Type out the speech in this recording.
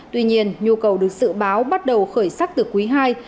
tuy nhiên nhu cầu được dự báo bắt đầu khởi sắc từ quý ii